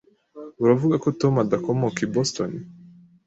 Uravuga ko Tom adakomoka i Boston?